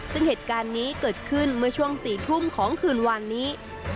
ซึ่งเหตุการณ์นี้เกิดขึ้นเมื่อช่วง๔ทุ่มของคืนวานนี้